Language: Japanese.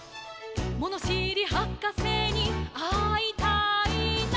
「ものしりはかせにあいたいな」